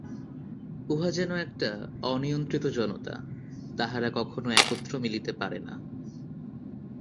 উহা যেন একটা অনিয়ন্ত্রিত জনতা, তাহারা কখনও একত্র মিলিতে পারে না।